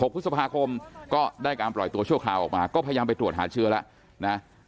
พฤษภาคมก็ได้การปล่อยตัวชั่วคราวออกมาก็พยายามไปตรวจหาเชื้อแล้วนะ